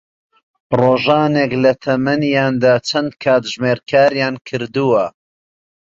ڕۆژانێک لە تەمەنیاندا چەند کاتژمێر کاریان کردووە